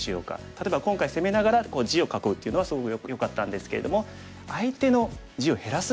例えば今回攻めながら地を囲うっていうのはすごくよかったんですけれども相手の地を減らすっていうようなね